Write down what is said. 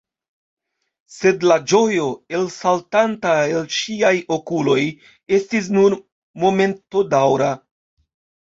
Sed la ĝojo, elsaltanta el ŝiaj okuloj, estis nur momentodaŭra.